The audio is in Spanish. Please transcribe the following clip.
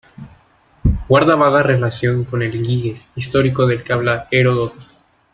Guarda vaga relación con el Giges histórico del que habla Heródoto.